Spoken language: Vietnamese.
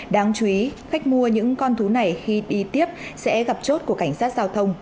đáng chú ý khách mua những con thú này khi đi tiếp sẽ gặp chốt của cảnh sát giao thông